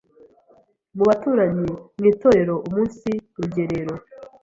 mu baturanyi, mu itorero, umunsi rugerero,